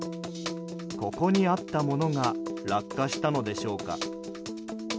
ここにあったものが落下したのでしょうか。